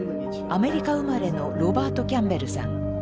アメリカ生まれのロバート・キャンベルさん。